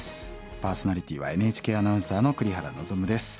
パーソナリティーはＮＨＫアナウンサーの栗原望です。